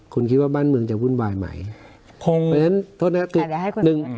คุณคิดว่าบ้านเมืองจะวุ่นวายไหมคงฉะนั้นโทษนะครับค่ะเดี๋ยวให้คุณสมมุติ